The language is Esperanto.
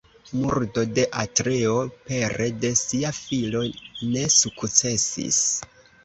Murdo de Atreo pere de sia filo ne sukcesis.